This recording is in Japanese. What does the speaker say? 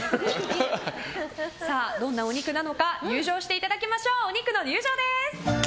どんなお肉なのか入場していただきましょう。